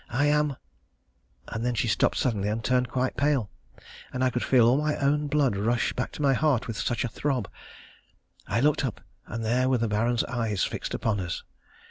I am ..." and then she stopped suddenly and turned quite pale, and I could feel all my own blood rush back to my heart with such a throb! I looked up, and there were the Baron's eyes fixed upon us.